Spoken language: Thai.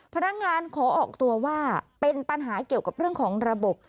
พนักงานขอออกตัวว่าเป็นปัญหาเกี่ยวกับเรื่องของระบบ